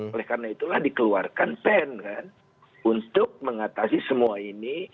oleh karena itulah dikeluarkan pen kan untuk mengatasi semua ini